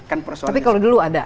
tapi kalau dulu ada